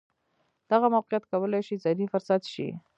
دغه موقیعت کولای شي زرین فرصت شي.